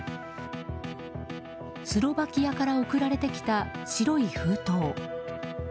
スロバキアから送られてきた白い封筒。